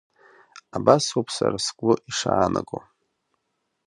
Абасоуп сара сгәы ишаанаго.